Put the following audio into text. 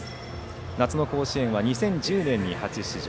夏の甲子園は２０１０年に初出場。